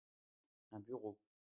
Un bureau.